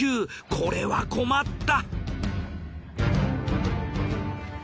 これは困った！